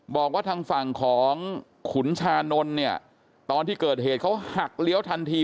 บอกว่าทางฝั่งของขุนชานนท์เนี่ยตอนที่เกิดเหตุเขาหักเลี้ยวทันที